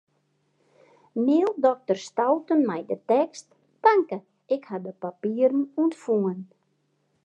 Mail dokter Stouten mei de tekst: Tanke, ik ha de papieren ûntfongen.